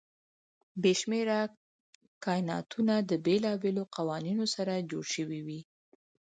بې شمېره کایناتونه د بېلابېلو قوانینو سره جوړ شوي وي.